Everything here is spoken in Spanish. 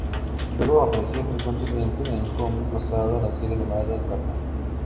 Luego, apareció frecuentemente en cómics basados en la serie animada de Batman.